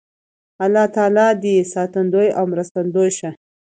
الله تعالی دې ساتندوی او مرستندوی شه